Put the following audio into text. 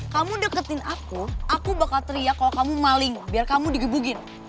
kamu deketin aku aku bakal teriak kalau kamu maling biar kamu digebukin